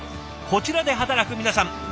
こちらで働く皆さん